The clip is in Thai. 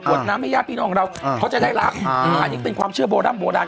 วดน้ำให้ญาติพี่น้องเราเขาจะได้รับอันนี้เป็นความเชื่อโบร่ำโบราณ